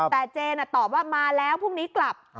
แต่เจนตอบว่ามาแล้วพรุ่งนี้กลับ